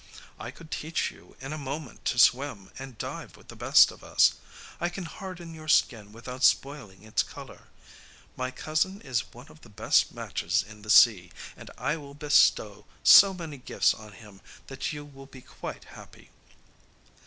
I could teach you in a moment to swim and dive with the best of us. I can harden your skin without spoiling its colour. My cousin is one of the best matches in the sea, and I will bestow so many gifts on him that you will be quite happy.